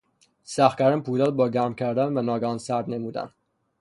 سخت کردن پولاد با گرم کردن و ناگهان سرد نمودن